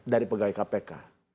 dari pegawai kpk